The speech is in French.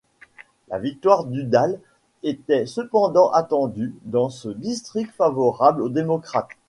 La victoire d'Udall était cependant attendue dans ce district favorable aux démocrates.